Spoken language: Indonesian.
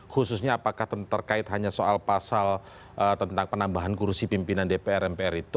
khususnya apakah terkait hanya soal pasal tentang penambahan kursi pimpinan dpr mpr itu